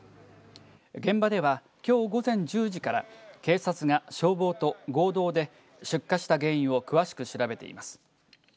現場ではきょう午前１０時から警察が消防と合同で出火した原因を詳しく調べています。